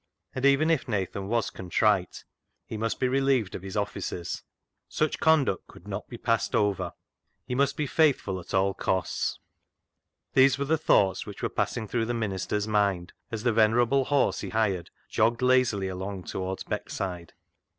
And even if Nathan was contrite, he must be relieved of his offices. Such conduct could not be passed over. He must be faith ful at all costs. These were the thoughts which were passing through the minister's mind as the venerable horse he hired jogged lazily along towards Beckside.